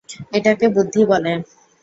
এটাকে বুদ্ধি বলে?